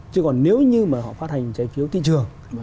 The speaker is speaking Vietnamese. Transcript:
chứ còn nếu như mà họ phát hành trái phiếu thị trường